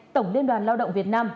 tổng liên đoàn lao động việt nam